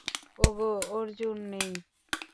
ওগো, অর্জুন নেই!